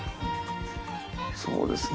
そうですね